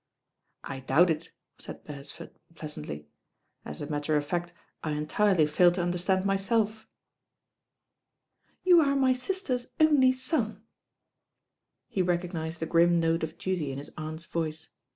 "I doubt it," said Beresford pleasantly. "As a matter of fact I entirely fail to understand myself.'» LADY DREWITT SPEAKS HER MIND 101 "You arc my sister's only son." He recognised the grim note of duty in his aunt'» voice.